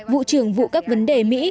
vụ trưởng vụ các vấn đề của mỹ